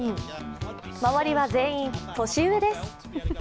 周りは全員、年上です。